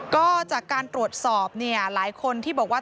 ก็จากการตรวจสอบเนี่ยหลายคนที่บอกว่า